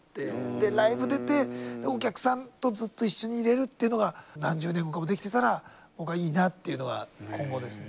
でライブ出てお客さんとずっと一緒にいれるっていうのが何十年後もできてたら僕はいいなっていうのが今後ですね。